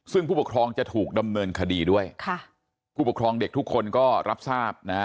ซึ่งผู้ปกครองจะถูกดำเนินคดีด้วยค่ะผู้ปกครองเด็กทุกคนก็รับทราบนะฮะ